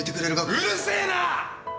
うるせえな！